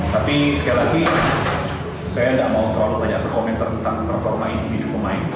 tapi sekali lagi saya nggak mau terlalu banyak berkomentar tentang performa individu pemain